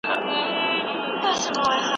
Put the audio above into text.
که هغه څېړونکی نه وي نو لارښود نسي کېدای.